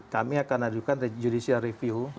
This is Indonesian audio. kami akan adukan judicial review